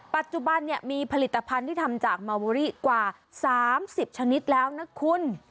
ปัจจุบันเนี่ยมีผลิตภัณฑ์ที่ทำจากมาเวอรี่กว่า๓๐ชนิดแล้วนะคุณ